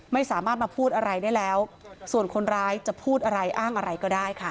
ไม่สามารถมาพูดอะไรได้แล้วส่วนคนร้ายจะพูดอะไรอ้างอะไรก็ได้ค่ะ